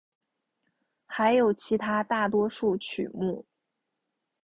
还有其他大多数曲目。